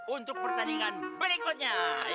untuk pertandingan berikutnya